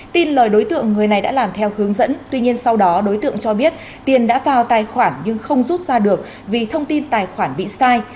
tin lời đối tượng người này đã làm theo hướng dẫn tuy nhiên sau đó đối tượng cho biết tiền đã vào tài khoản nhưng không rút ra được vì thông tin tài khoản bị sai